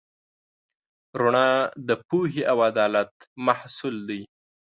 رڼا د پوهې او عدالت محصول دی.